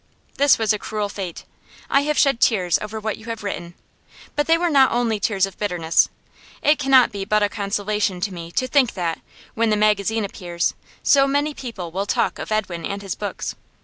This was a cruel fate. I have shed tears over what you have written, but they were not only tears of bitterness; it cannot but be a consolation to me to think that, when the magazine appears, so many people will talk of Edwin and his books.